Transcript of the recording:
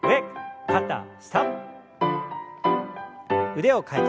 腕を替えて。